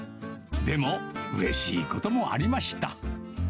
でも、うれしいこともありました。